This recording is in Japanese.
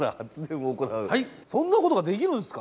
そんなことができるんすか！？